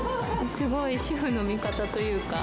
すごい主婦の味方というか。